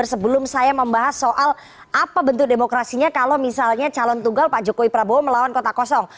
sebelum saya membahas soal apa bentuk demokrasinya kalau misalnya calon tunggal pak jokowi prabowo melawan kota kosong